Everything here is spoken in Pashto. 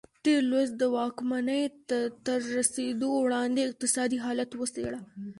تېر لوست د واکمنۍ ته تر رسېدو وړاندې اقتصادي حالت وڅېړه.